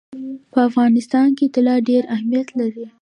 په افغانستان کې طلا ډېر اهمیت لري.